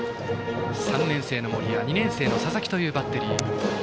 ３年生の森谷２年生の佐々木というバッテリー。